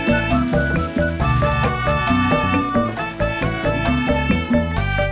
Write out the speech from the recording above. kalau mau nikmatin dengan itu seperti apa